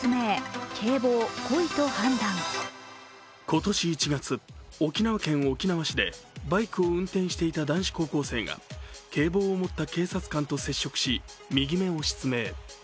今年１月、沖縄県沖縄市でバイクを運転していた男子高校生が警棒を持った警察官と接触し、右目を失明。